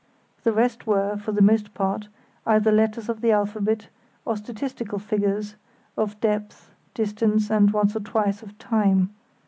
The rest were, for the most part, either letters of the alphabet or statistical figures, of depth, distance, and, once or twice, of time.